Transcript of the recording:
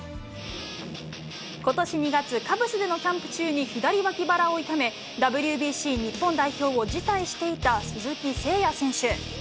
ことし２月、カブスでのキャンプ中に左脇腹を痛め、ＷＢＣ日本代表を辞退していた鈴木誠也選手。